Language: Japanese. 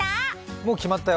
もう決まったよ。